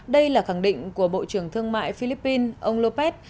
đây là khẳng định của bộ trưởng thương mại philippines ông lópez